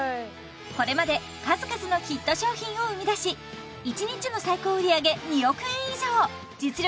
これまで数々のヒット商品を生み出し１日の最高売り上げ２億円以上実力